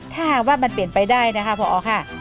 ถ้าหากว่ามันเปลี่ยนไปได้นะคะพอค่ะ